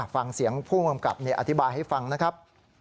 ฟังเสียงผู้กำกับอธิบายให้ฟังนะครับ